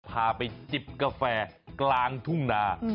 พาไปจิบกาแฟกลางทุ่งนา